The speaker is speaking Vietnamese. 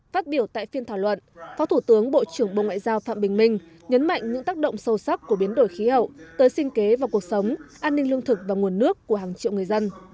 phát biểu tại phiên thảo luận phó thủ tướng bộ trưởng bộ ngoại giao phạm bình minh nhấn mạnh những tác động sâu sắc của biến đổi khí hậu tới sinh kế và cuộc sống an ninh lương thực và nguồn nước của hàng triệu người dân